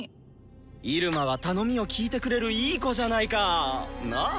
イルマは頼みを聞いてくれるいい子じゃないか。なぁ？